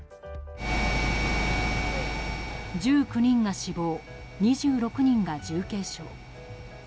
１９人が死亡２６人が重軽傷。